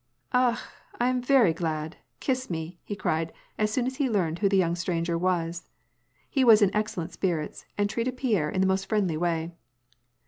Ah ! I am very glad ! Kiss me !" he cried, as soon as he learned who the young stranger was. He was in excellent spirits, and treated Pierre in the most friendly way.